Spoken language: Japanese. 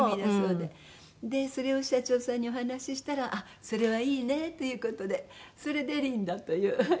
でそれを社長さんにお話ししたら「あっそれはいいね」という事でそれで「リンダ」という名前になりました。